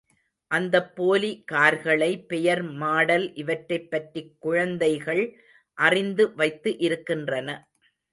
அந்தப் போலி கார்களை பெயர் மாடல் இவற்றைப் பற்றிக் குழந்தைகள் அறிந்து வைத்து இருக்கின்றன.